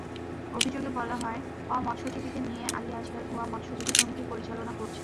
অভিযোগে বলা হয়, অ-মৎস্যজীবীদের নিয়ে আলী আজগার ভুয়া মৎস্যজীবী সমিতি পরিচালনা করছেন।